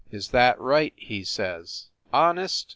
"Is that right?" he says; "Honest?"